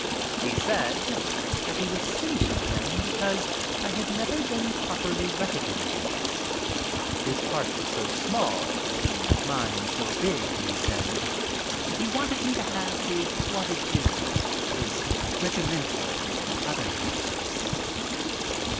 He said that he was sending them because I had never been properly recognized. His part was so small and mine so big, he said, that he wanted me to have his Croix de Guerre, his regimental and other medals.